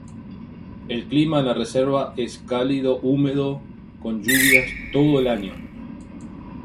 El clima en la reserva es cálido húmedo con lluvias todo el año.